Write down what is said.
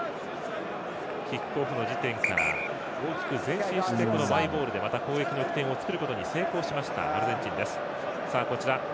キックオフの地点から大きく前進してマイボールで攻撃の起点を作ることに成功しましたアルゼンチンです。